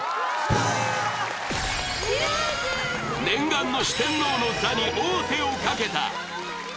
念願の四天王の座に王手をかけた。